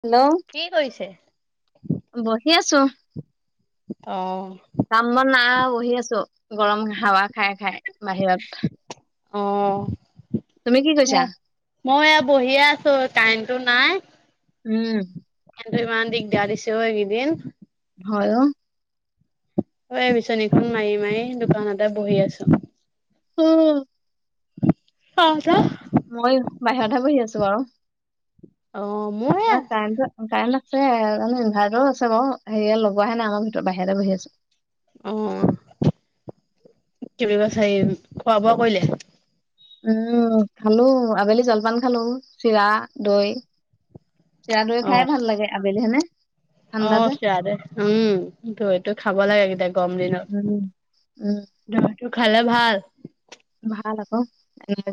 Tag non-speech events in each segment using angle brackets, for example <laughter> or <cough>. Hello, কি কৰিছে? বহি আছো। অ। কাম বন নাই বহি আছো, গৰম হাৱা খাই খাই বাহিৰত। অ। তুমি কি কৰিছা মই বহিয়ে আছো কাৰেণ্টো নাই উম কাৰেন্তটো ইমান দিগদাৰ দিছে অ এইকেইদিন হয় অ অ এই বিছনিখন মাৰি মাৰি দোকানতে বহি আছো। উম হা মই বাহিৰতহে বহি আছো বাৰু। অ', মোৰ <unintelligible> আছে ইনভাৰ্টাৰো আছে বাৰু হেৰিয়ে লগোৱা হে নাই আমাৰ ভিতৰত বাহিৰতে বহি আছো অ বুলি খোৱা বোৱা কৰিলে উম খালো আবেলি জলপান খালো চিৰা দৈ চৰা দৈ খাই অ', ভাল লাগে আবেলি হয় নে অ চিৰা দৈ উম দৈটো খাব লাগে এতিয়া গৰম দিনত উম। উম দৈটো খালে ভাল ভাল আকৌ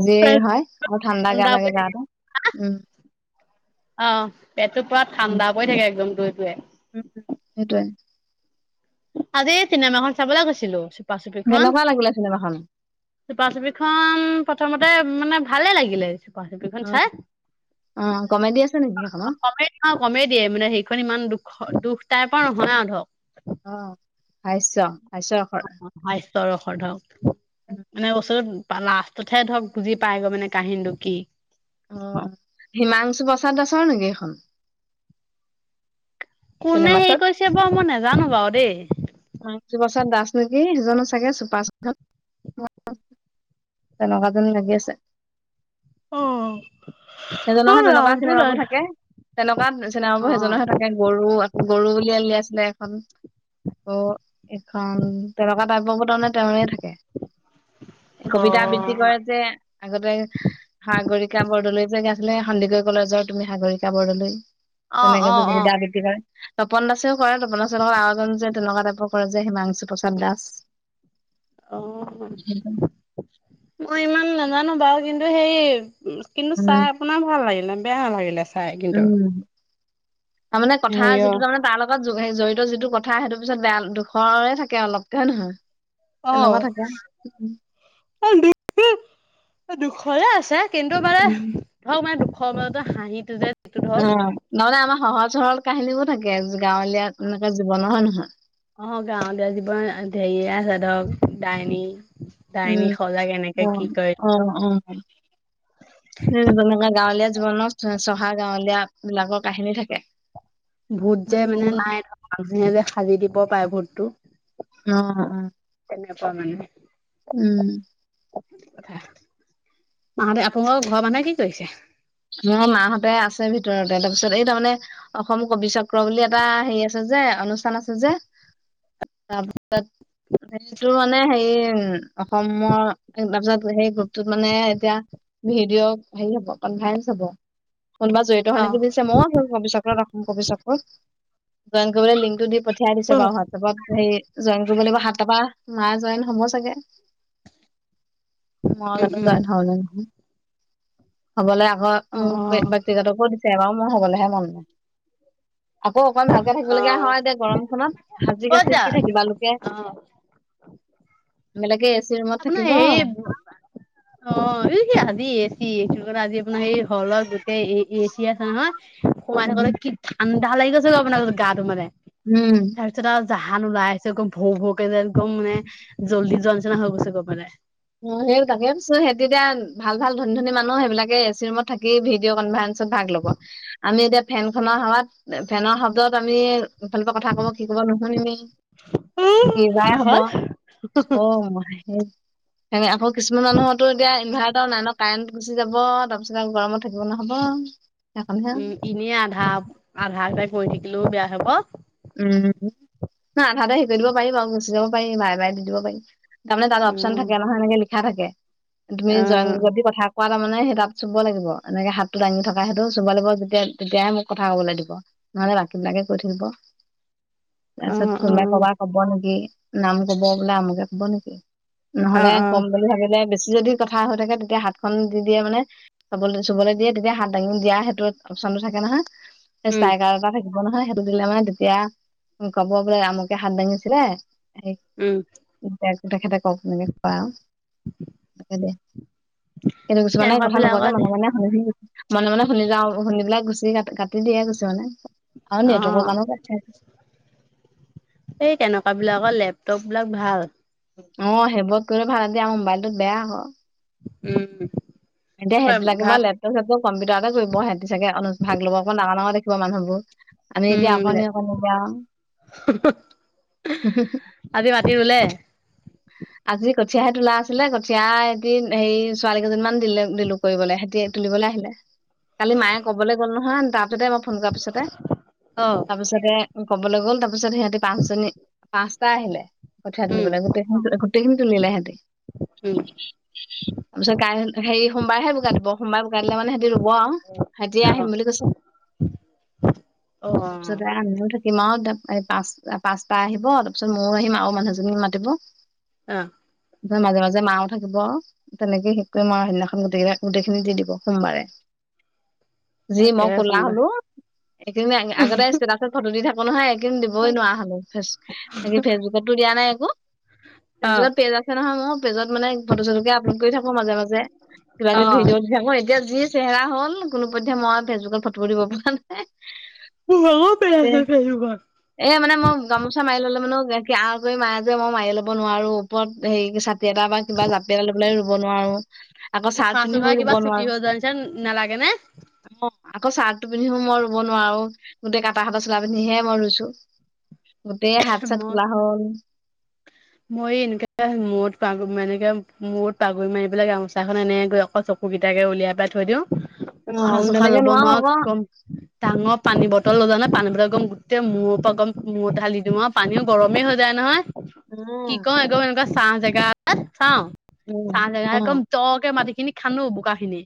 জিৰ পেট হয় আৰু ঠাণ্ডা গা পৰি লাগে থাকে গাটো উম অ পেটটো পুৰা উম ঠাণ্ডা পৰি থাকে একদম দৈটোৱে সেইটোৱে আজি চিনেমাখন চাবলৈ গৈছিলো চপা চুপিখন কেনেকুৱা লাগিলে চিনেমাখন? চুপা চুপিখন প্ৰথমতে মানে ভালে লাগিলে চোপা চুপীখন চাই অ'। অ', কমেডি আছে নেকি সেইখনত? কমেই কমেই দিয়ে মানে সেইখন ইমান দুখ দুখ টাইপৰ নহয় আৰু ধৰক। অ ভাষ্য ভাষ্য ৰসৰ চৰসৰ ধৰক এনে বছৰত লাষ্টতহে ধৰক বুজি পাইগৈ মানে কাহিনীটো কি অ হিমাংশু প্ৰসাদ দাসৰ নেকি এইখন কোনে হেৰি চিনেমাখন? কৰিছে বাও মই নাজানো বাৰু দেই তুলচি প্ৰসাদ দাস নেকি সিজনো চাগে চুপা চুপি খন তেনেকুৱা জেন লাগি আছে। অহ সেইজনৰহে তেনেকুৱা চিনেমাবোৰ থাকে। তেনেকুৱা চিনেবাবোৰ অ সেইজনৰহে থাকে। গৰু, গৰু বুলি উলিয়াইছিলে। আকৌ এইখন তেনেকা টাইপৰ বোৰ তাৰমানে তেওঁৰে থাকে। কবিতা আবৃত্তি কৰে যে আগতে, সাগৰিকা বৰদলৈ। যে আছিলে সন্দিকৈ কলেজৰ তুমি সাগৰিকা বৰদলৈ অ অ তেনেকে যে অ কবিতা আবৃতি কৰে। তপন দাসেও কৰে। তপন দাসৰ লগত আৰু এজন যে তেনেকুৱা টাইপৰ কৰে যে হিমাংশু প্ৰসাদ দাস। অ মই ইমান নাজানো বাৰু কিন্তু সেই কিন্তু উম, চাই আপোনাৰ ভাল লাগিলে বেয়া নালাগিলে চাই কিন্তু। তাৰ মানে কথা হেৰিয় যিটো তাৰ মানে তাৰ লগত জড়িত যিটো কথা সেইটো পিছত বেয়া দুখৰে থাকে অলপকে হয় নহয়। অ তেনেকুৱা থাকে। এই জিপটি দুশয় আছে কিন্তু মানে উম, ধৰক মানে দুশ মান হাঁহিটো যে সেইটো অ ধৰক নহলে আমাৰ সহজ সৰল কাহিনী বোৰ থাকে আজি। অ গাঁৱলীয়া জীৱন ধেৰিয়ে আছে ধৰক। ডাইনি উম অ অ ধৰক অ উ তেনেকুৱা গাঁৱলীয়া জীৱনত চহা গাঁৱলীয়া বিলাকৰ কাহিনী থাকে। ভোত যে মানে নাই মানুহে যে সাজি দিব পাৰে ভোটটো। অ অ মানে উম কথা মাহঁতে আপোনালোকৰ ঘৰৰ মানুহে কি কৰিছে? মোৰ মাহতে আছে ভিতৰতে। তাৰপিছত এই তাৰমানে অসম কবি চক্ৰ বুলি এটা হেৰি আছ যে অনুষ্ঠান আছে যে তাৰপিছত সেইটো মানে হেৰি অসমৰ তাৰপিছত সেই গ্ৰুপটোত মানে এতিয়া ভিডিঅ' হেৰি হ'ব কনভাৰেন্স কোনোবা জড়িত হয় অ নেকি সুধিছে। মইও আছো কবি চক্ৰত অসম কবি চক্ৰত। জইন কৰিবলে লিংকটো দি পঠিয়াই দিছে অ বাৰু। হোৱাটছএপত হেই জইন কৰিব লাগিব সাতটা পা। মা জইন হ'ব চাগে, মই উম জানো উম জইন হও নে নহও। হ'বলে আকৌ অ বক্তিগতকো সেৱাও মোৰ হবলেহে মন নাই। আকৌ অকন ভালকে থাকিব অ লগীয়া অ হয় দে। গৰমখনত হাজি ক'ত কাছি যা কি থাকিবা। লোকে অ বেলেগে চি ৰুমত আপোনাৰ থাকিব হে অ কি আজি এইটো কাৰণে আজি আপোনাৰ সেই হলৰ গোটেই এই এ চি আছে নহয় সোমাই থাকলে উম কি ঠান ভাল লাগি গৈছে আপোনাৰ গাতো মানে। উম। তাৰপিছত আৰু জাহান ওলাই আহিছে একদম ভৌ ভৌকে যে একদম মানে জলি জোৱা নিচিনা হৈ গৈছে মানে। অ সেই তাকে পিছে হিহতি এতিয়া ভাল ভাল ধনী ধনী মানুহ, সেইবিলাকে এ চি ৰুমত থাকি ভিডিঅ' কনফাৰেন্ঞ্চ তাৰপিত ভাগ ল'ব। আমি এতিয়া ফেন খনৰ হাৱাত ফেনৰ শব্দত আমি ইফালৰ পৰা কথা ক'ব, কি ক'ব নুশুনিমেই। কিযাই হব হয় অ ম <inaudible> সেনে আকৌ কিছুমান মানুহৰো এতিয়া ইনভাৰ্টাৰ নাই ন। কাৰেণ্ট গুচি যাব তাৰপিছত আকৌ গৰমত থাকিব নোৱাৰা হব। উম, এনেই আধা আধা এটা কৰি থাকিলেও বেয়া হ'ব। উম না আধাতে হেৰি কৰি দিব পাৰিম আৰু গুচি যাব পাৰিম বাৰে বাৰে দি দিব পাৰিম। তাৰমানে তাত অপচন উম থাকে নহয়। এনেকে লিখা থাকে তুমি অ জইন যদি কথা কোৱা তাৰ মানে সেই তাত চুব লাগিব। এনেকে হাতটো দাঙি থকা সেইটো চুব লাগিব যেতিয়া তেতিয়াহে মোক কথা কবলৈ দিব। নহলে বাকী বিলাকে কৈ থাকিব। তাৰ অ পিছত কোনবাই কবা কব নেকি? নাম কব বোলে আমুকে কব নেকি? অ অ নহলে অ কম বুলি ভাবিলে বেছি যদি কথা হৈ থাকে তেতিয়া হাতখন দি দিয়ে মানে। চ চুবলৈ দিয়ে তেতিয়া হাত দাঙি দিয়া সেইটোত অপচনটো থাকে। নহয় উম চাইকাৰ এটা থাকিব নহয় সেইটো দিলে মানে দ এতিয়া কব বোলে আমুকে হাত দাঙিছিলে। উম এইয়া তেখেত চব মানছ খুৱাই আও এদাই কিন্তু কিছুমানে তেনেকুৱা কথা নোকোৱাকে বিলাকত মনে মনে শুনি মনে মনে শুনি যাওঁ শুনি পেলাই গুচি কট তেতিয়াহে কৈছে মানে আৰু অ নেটৱৰ্কৰ কামত <unintelligible> এই তেনেকুৱা বিলাকৰ লেপটপ বিলাক ভাল। অ, সেইবোৰ কৰি ভাল দিয়া। আমাৰ মোবাইলটোত বেয়া হ। উম। এতিয়া সেহেত বিলাকে বা ভাত লেপেটপ, চেপটপ, কম্পিউটাৰতে কৰিব। সেহেটি ছাগে ভাগ লব আকৌ <unintelligible> কোৱা মানুহবোৰ আমি এতিয়া উম অকণি অকণ যাওঁ। আজি মাটি ৰুলে? আজি কঠিয়াহে তোলা আছিলে। কঠীয়া এহঁতি হেৰি ছোৱালী কেইজনমান দিলে দিলো কৰিবলে সিহতি তুলিবলৈ আহিলে, কালি মায়ে কবলৈ গ'ল নহয় তাৰ পিছতে মই ফোন কৰা পিছতে অ তাৰপিছতে কবলৈ গ'ল তাৰ পিছত সিহঁতে পাঁচ জনী পাঁচটা আহিলে, কঠীয়া উম তুলিবলৈ গোটেই গোটেইখিনি তুলিলে হেতি। উম। তাৰপিছত কাই হেৰি সোমবাৰেহে বোকা দিব। সোমবাৰে বোকা দিলে মানে সিহতি ব আৰু সিহঁতি আহিম বুলি কৈছে। উম তাৰপিছত সিমাহত ধাপ পাই পাঁচ পাঁচটা আহিব তাৰপিছত ময়ো আহিম আৰু মানুহজনী মাতিব অহ এনেকোৱা মাজে মাজে মাও থাকিব তেনেকে শেষ কৰি মা সেইদিনাখন গোটকেই গোটেইখিনি দি দিব সোমবাৰে <unintelligible> যি মই তাকেহে কলা সোমবাৰ হলো একেজনী আগতে ইষ্টেতাচ ফটো দি থাকো নহয় এইকেইদিন দিবই নোৱাৰা হলো ফেচ ফেচবুকতো দিয়া নাই একো অ ফেচবুকত পেজ আছে ন পেজত মানে ফটো চটকে আপলোড কৰি থাকো মাজে মাজে কিবা অ কিব ভিডিঅ' দি থাকো এতিয়া যি চেহেৰা হল কোনো পধ্যে মই ফেচবুকত ফটো দিব পৰা নাই ভাগৰ পেলাইছে ফেচবুকত যেএ মানে মই গামোচা মাৰি ললে মানে আ মায়ে যে মই মাৰি ল'ব নোৱাৰো ওপৰত হেৰি <unintelligible> এটা বা কিবা জাপি এটা ল পেলাই ৰুব নোৱাৰো আকৌ চাৰ্ট পিন্ধিও ৰুব নোৱাৰো লাগে নে অ আকৌ ছাৰ্টো পিন্ধিও মই ৰুব নোৱাৰো গোটেই কাটা কটা চোলা পিন্ধিহে মই ৰুইছো গোটেই হাত চাত মই কুলা হ'ল মই এনেকে মূৰত পাগু মানে মূৰত পাগুৰি মাৰিবেলা গামোচা খন এনে গৈ অকল চকু চকুকেইটা উলিয়াই পেলাই থৈ দিওঁ উশাহ অ চোশাহ তেনেকে ল'ব নোৱাৰো নোৱাৰ কি আকৌ কম ডাঙৰ পানী বটল জানা পানী বটল একদম গোটেই মূৰ পৰাম মূৰত ঢালি দিওঁ আৰু পানীও গৰমেই হৈ যায় নহয় উম কি কও একদম এনেকুৱা চাহ জেগাত চাওঁ উম চাহ জেগা অ একদম দ মাটি সেই খিনি খান্দো বোকা খিনি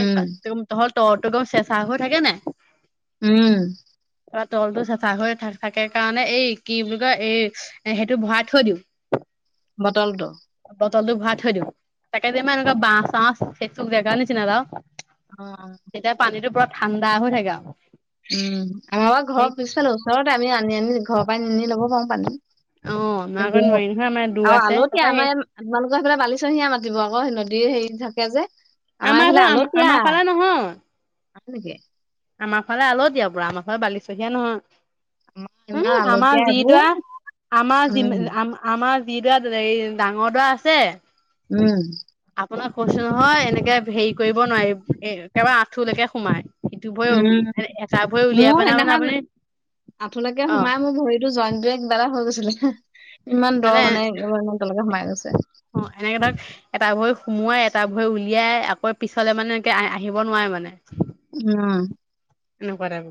এক তহঁত ত ত চেঁচা হৈ থাকে নাই উম তাৰপৰা তলটো চাফা হৈ থা থাকে কাৰণে এই কি বুলি কয় এই সেইটো ভৰাই থৈ দিওঁ বটলটো তলতো ভৰা থৈ দিওঁ তাকেম এনেকুৱা বাহ চা চেচুক সেই জেগাৰ নিচিনা বাওঁ অ তেতিয়া পানীতো পুৰা ঠাণ্ডা হৈ থাকে আৰু উম আমাৰা বা সেই ঘৰৰ পিছালো ওচৰতে আমি আনি আনি ঘৰৰ পৰাই নিনি লব পাৰো পানী অ কিন্তু মাগন ম <unintelligible> আৰু আলতিয়া আমাৰ আপোনালোকৰ সেইফালে বালিচহীয়া মাটিব আক নদীৰ হেৰি থাকে যে। আমাৰ এইফালে ফালে আলতিয়া আমাৰ ফালে নহয় নেকি আমাৰ ফালে আলতিয়া পোৰা আমাৰ ফালে বালিচহীয়া আমাৰ নহয়। ইমান উম আলতীয়া আমাৰ যি এইবোৰ দৰা উম আমাৰ আমাৰ। যি দৰা ডাঙৰ দৰা আছে। উম। আপোনাক কৈছো নহয় এনেকে হেৰি কৰিব নোৱাৰি এ -একেবাৰে আঠুলৈকে সোমাই। সিটো ভৰি উম, এটা ভৰি মোৰ উলিয়াই পেনা মানে সেইদিনাখন আপুনি আঠুলৈকে অ সোমাই মোৰ ভৰিতো জইন বেগ বাৰ হৈ গৈছিলি। <unintelligible> ইমান দ মানে ইমান সোমাই গৈছে। অ এনেকে ধৰক এটা ভৰি সোমোৱাই এটা ভৰে উলিয়াই আকৌ পিছলে মানে এনেকে আহিব নোৱাৰে মানে। উম এনেকুৱা তাইপৰ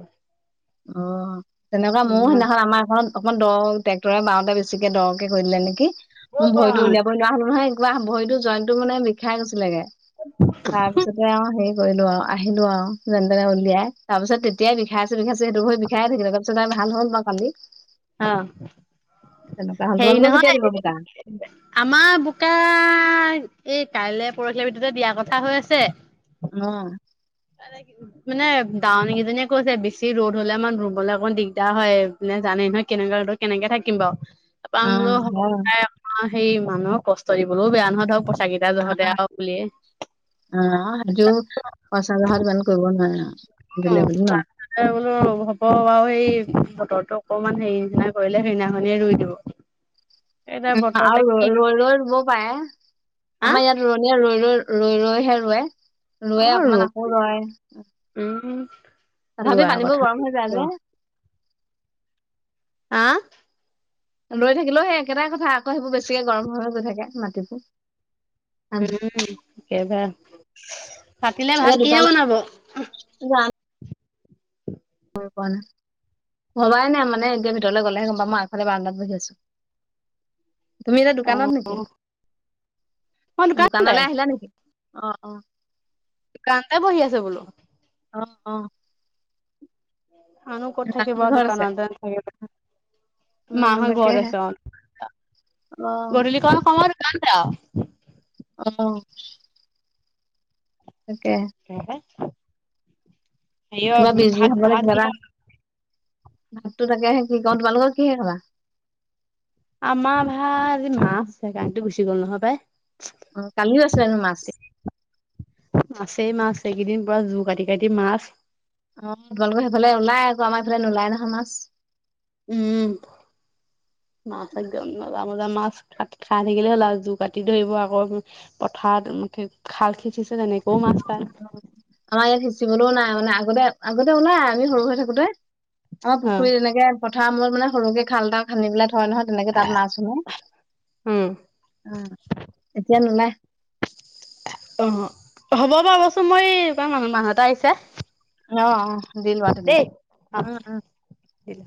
অহ তেনেকুৱা মোৰ সেইদিনাখন আমাৰ ঘৰত অকনমান দৰ ট্ৰেক্টৰে বাওঁ বেছিকে দৰকে কৰিলে নেকি মোৰ ভৰিতো উলিয়াব লোৱাৰোৱা হল নহয়। কিবা ভৰিতো জইন্তটো মানে বিষাই গৈছিলেগে তাৰপিছতে আৰু হে। কৰিলো আৰু আহিলো আৰু যেনে তেনে উলিয়াই তাৰ পিছত তেতিয়াই বিষাই আছে বিষাই। সেইটো ভ বিষায়াইে থাকিল তপিছতি ভাল হ'ল মই কালি। <unintelligible> অহ। তেনেকুৱা হ'ল হেৰি তোমালোকৰ কেতিয়া দিব বোকা নহয় <inaudible> আমাৰ বোকা এই কাইলে পৰহি আমি দুটাই দিয়াৰ কথা হৈ আছে। অহ মানে দাৱনী কেইজনীয়ে কৈছে বেছি ৰ'দ হলে মান ৰুবলৈ অকণ দিগদাৰ হয় জানে নহয় কেনেকুৱা <unintelligible> কেনেকে থাকিম বাওঁ। পাম অ বোলো হয় <unintelligible> সেই মানুহক কষ্ট দিবলৈও বেয়া নহয় ধৰক কেইটা অহ জহতে আৰু বুলিয়ে - অহ <unintelligible> উম, তাৰপিছতে বোলো হ'ব বাৰু এই বতৰটো অকমান হেৰি নিচিনা কৰিলে সেইদিনাখনে ৰুই দিব। এতিয়া উম, বতৰতে আৰু কি ৰৈ- ৰৈ ৰুব পাৰে হা আমাৰ ইয়াত ৰুৱনিয়ে ৰৈ -ৰৈ ৰৈ ৰৈহে ৰুৱে অ -ৰুৱে ৰু অকমান আকৌ ৰোৱাই। উম তথাপি ৰোৱা পানীবোৰ কথা গৰম হৈ যায় যে। আহ? ৰৈ থাকিলেও সেই একেটাই কথা আকৌ সেইবোৰ বেছিকে গৰম হৈ হৈ গৈ থাকে মাটিবোৰ। উম, কেইবা ৰাটিলে এতিয়া ভাত কিহে দোকানত বনাব? হয়, পোৱা নাই। ভবাই নাই মানে এতিয়া ভিতৰলৈ গলেহে গম পাম মই আগফালে বাৰাণ্ডাত বহি আছো‌। তুমি এতিয়া অ দোকানত নেকি? মই দোকানতে দোকানলৈ আহিলা নেকি? অ', - অ', কান্তাই বহি আছে বোলো। অ', - অ', আনো ক'ত থাকিবা মাহঁত ঘৰত আছে <unintelligible> উম মাহহত ঘৰত তাকেহে আছে অহ অ গধূলি কোন সময়ত <unintelligible> অহ <unintelligible> কিবা বিজি ভাত হবলৈ ভাত কিবা এটা কিহে বনালা ভাততো তাকে আহে কি কওঁ তোমালোকৰ কিহে খালা? আমাৰ ভা মাচ আছে সেই গানটো আৰু গুচিল গ'ল নহয় অ কালিও পাই। আছিলে হেনো মাছ <inaudible> মাছেই মাছ এইকেইদিন। পোৰা জুল কাটি -কাটি মাছ। অহ, তোমালোকৰ সেইফালে ওলাই আকৌ আমাৰ এফালে নোলাই নহয় মাছ। উম। <inaudible> মাছ একদম, মজা মজা মাছ ক খাই থাকিলে হ'লা জোৰ কাটি ধৰিব আকৌ পথাৰত খাল খিচিছে ক মাছ পায়। পচিবলৈও নাই মানে আগতে আগতে ওলাই আমি সৰু হৈ থাকোতে, আমাৰ অ পুখুৰী এনেকে কথাৰ মোৰ মানে সৰুকে খাল তাল খানি পেলাই থয় নহয় তেনেকে তাত মাছ সোমাই। উম অ এতিয়া নোলায়। অহ, হব। ত' মই <unintelligible> মানুহ -মানুহ এটা আহিছে। অহ - অহ দিল লোৱা তুমি। দেই অ উম -উম দিলে